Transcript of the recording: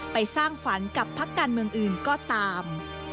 ไปสร้างฝันกับพักการเมืองอื่นก็ตาม